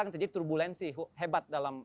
akan terjadi turbulensi hebat dalam